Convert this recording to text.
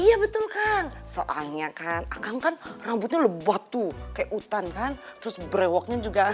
iya betul kang soalnya kan agam kan rambutnya lebot tuh kayak hutan kan terus brewoknya juga